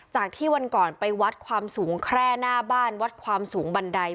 จากที่วันก่อนไปวัดความสูงแคร่หน้าบ้านวัดความสูงบันได